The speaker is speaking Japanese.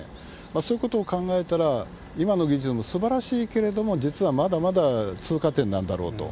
そういうことを考えたら、今の技術でもすばらしいけれども、実はまだまだ通過点なんだろうと。